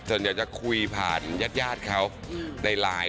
จนจะคุยผ่านญาติเขาในไลน์